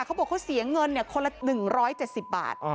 เขาบอกเขาเสียเงินคนละ๑๗๐บาท